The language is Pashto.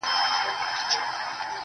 ددې ښكلا.